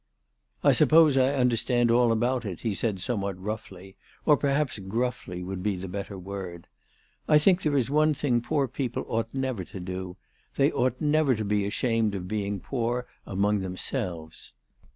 " I suppose I understand all about it," he said some what roughly, or, perhaps, gruffly would be the better word. " I think there is one thing poor people ought never to do. They ought never to be ashamed of being poor among themselves."